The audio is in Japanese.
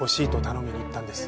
頼みに行ったんです。